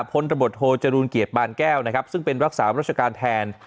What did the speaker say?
พลตบทโทจรูลเกียรติบานแก้วนะครับซึ่งเป็นรักษารัชการแทน